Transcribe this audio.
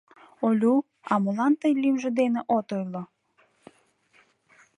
— Олю, а молан тый лӱмжӧ дене от ойло?